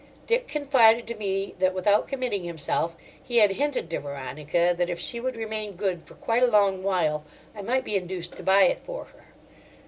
Dick confided to me that, without committing himself, he had hinted to Veronica that if she would remain good for quite a long while I might be induced to buy it for her.